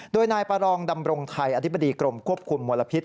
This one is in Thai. โดยนายประรองดำรงไทยอธิบดีกรมควบคุมมลพิษ